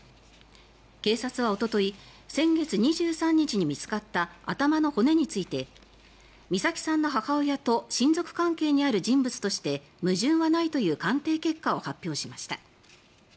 警察はおととい先月２３日に見つかった頭の骨について美咲さんの母親と親族関係にある人物として矛盾はないという鑑定結果を発表しました。